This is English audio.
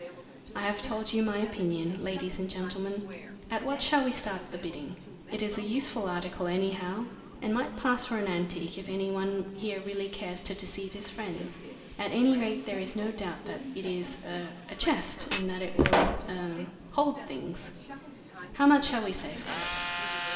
I have told you my opinion, ladies and gentlemen. At what shall we start the bidding? It is a useful article, anyhow, and might pass for an antique if any one here really cares to deceive his friends. At any rate, there is no doubt that it is er a chest, and that it will er hold things. How much shall we say for it?"